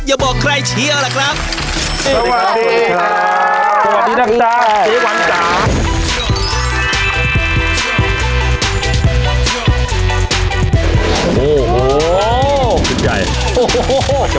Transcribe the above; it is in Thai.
อย่าบอกใครเชี่ยวละครับสวัสดีครับ